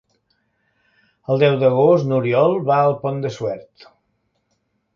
El deu d'agost n'Oriol va al Pont de Suert.